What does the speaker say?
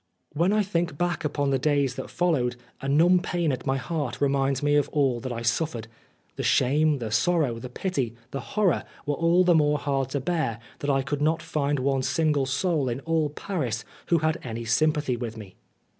When I think back upon the days that followed, a numb pain at my heart reminds me of all that I suffered. The shame, the sorrow, the pity, the horror were all the more hard to bear that I could not find one single soul in all Paris who had any sympathy with me.